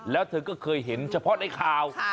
แล้วเธอก็เคยเห็นเฉพาะในข่าว